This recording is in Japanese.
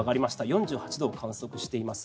４８度を観測しています。